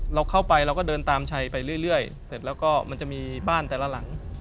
เราเข้าไปเราก็เดินตามชัยไปเรื่อยเสร็จแล้วก็มันจะมีบ้านแต่ละหลัง